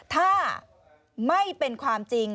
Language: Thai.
ถ้าไม่เป็นความจริง